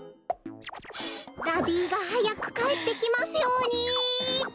ダディーがはやくかえってきますように。